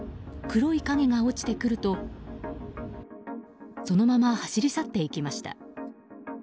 黒い影が落ちてくるとそのまま走り去っていきました。